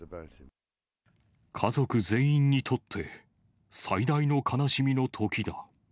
家族全員にとって最大の悲しみのときだ。